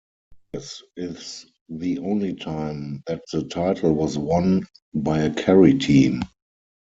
This is the only time that the title was won by a Kerry team.